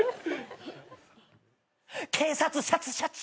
警察シャツシャチ。